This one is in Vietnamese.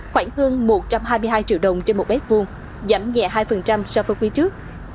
khoảng hơn một trăm hai mươi hai triệu đồng trên một mét vuông giảm nhẹ hai so với quý trước